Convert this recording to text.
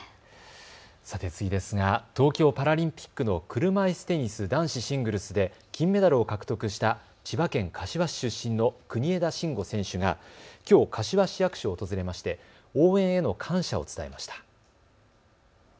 さて次ですが東京パラリンピックの車いすテニス男子シングルスで金メダルを獲得した千葉県柏市出身の国枝慎吾選手がきょう柏市役所を訪れまして応援への感謝を伝えました。